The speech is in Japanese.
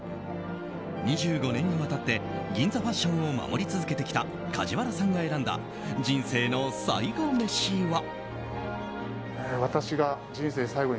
２５年にわたって銀座ファッションを守り続けてきた梶原さんが選んだ人生の最後メシは？